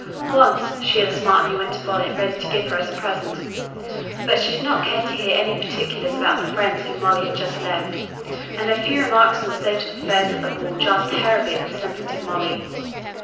Once she had a smart new winter bonnet ready to give her as a present; but she did not care to hear any particulars about the friends whom Molly had just left; and her few remarks on the state of affairs at the Hall jarred terribly on the sensitive Molly.